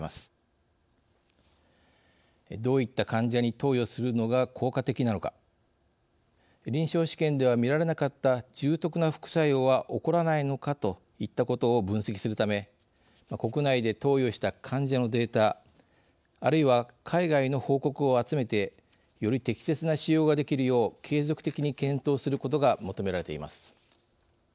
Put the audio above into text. どういった患者に投与するのが効果的なのか臨床試験では見られなかった重篤な副作用は起こらないのかといったことを分析するため国内で投与した患者のデータあるいは海外の報告を集めてより適切な使用ができるよう継続的に検討することが求められています。